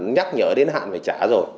nhắc nhở đến hạn phải trả rồi